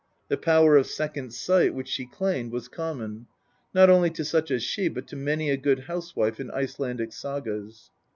The power of second sight which she claimed was common, not only to such as she, but to many a good housewife in Icelandic sagas.